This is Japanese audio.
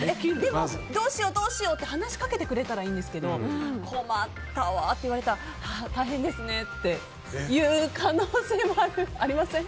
どうしよう、どうしようって話しかけてくれたらいいんですけど困ったわって言われたら大変ですねって言う可能性もありません？